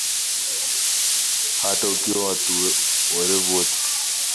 hata ukiua watu werevu wote